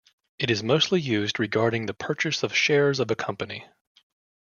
It is mostly used regarding the purchase of shares of a company.